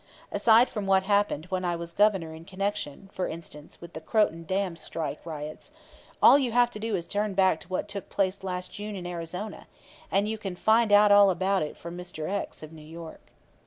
Aside from what happened when I was Governor in connection, for instance with the Croton dam strike riots, all you have to do is to turn back to what took place last June in Arizona and you can find out about it from [Mr. X] of New York.